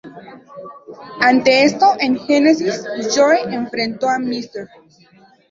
Ante esto, en "Genesis" Joe enfrentó a Mr.